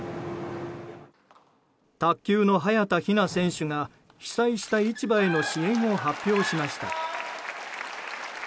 卓球の早田ひな選手が被災した市場への支援を発表しました。